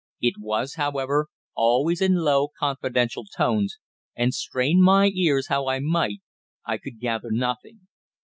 It was, however, always in low, confidential tones, and, strain my ears how I might, I could gather nothing.